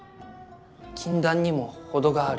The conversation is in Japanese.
禁断にも程がある。